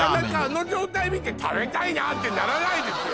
あの状態見て食べたいなーってならないですよ